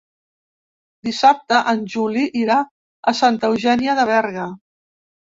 Dissabte en Juli irà a Santa Eugènia de Berga.